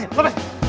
stop aku duluan